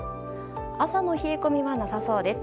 朝の冷え込みはなさそうです。